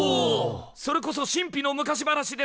それこそ神秘の昔話ですな！？